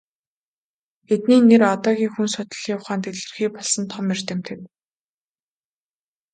Эдний нэр одоогийн хүн судлалын ухаанд илэрхий болсон том эрдэмтэд.